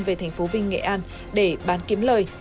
về thành phố vinh nghệ an để bán kiếm lời